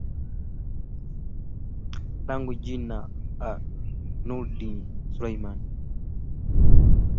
langu jina a nurdin suleman